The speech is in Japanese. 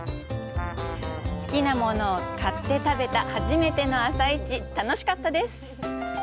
好きなものを買って食べた初めての朝市楽しかったです。